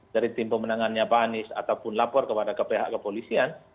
dari tim pemenangannya pak anies ataupun lapor kepada ke pihak kepolisian